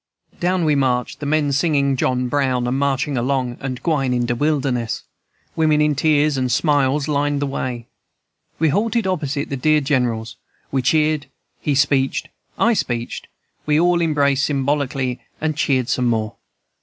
"Down we marched, the men singing 'John Brown' and 'Marching Along' and 'Gwine in de Wilderness'; women in tears and smiles lined the way. We halted opposite the dear General's; we cheered, he speeched, I speeched, we all embraced symbolically, and cheered some more.